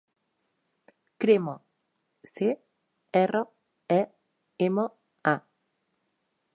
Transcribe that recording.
Crema: ce, erra, e, ema, a.